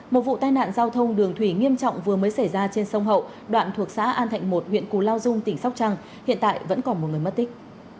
một vụ tai nạn giao thông đường thủy nghiêm trọng vừa mới xảy ra trên sông hậu đoạn thuộc xã an thạnh một huyện cù lao dung tỉnh sóc trăng hiện tại vẫn còn một người mất tích